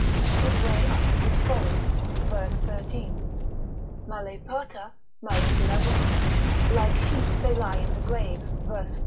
his way utters his folly, verse 13. male parta, male dilabuntur; like sheep they lie in the grave, verse 14.